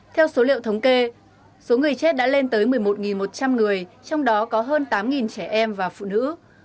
theo số liệu thống kê số người chết đã lên tới một mươi một một trăm linh người trong đó có hơn tám trẻ em và phụ nữ